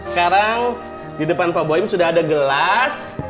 sekarang di depan pak boy sudah ada gelas